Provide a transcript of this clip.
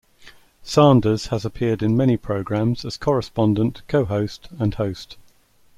Sanders has appeared in many programs as correspondent, co-host, and host.